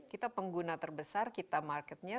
kita pengguna terbesar kita marketnya